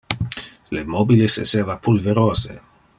Le mobiles esseva pulverose.